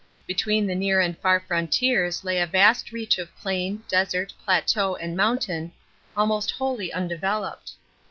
Between the near and far frontiers lay a vast reach of plain, desert, plateau, and mountain, almost wholly undeveloped.